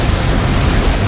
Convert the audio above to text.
rayus rayus sensa pergi